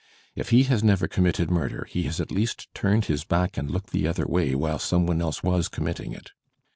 If he has never committed murder, he has at least turned his back and looked the other way while some one else was conmiitting it.'